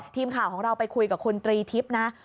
ทีมข่าวของเราไปคุยกับคุณตรีทิพย์นะ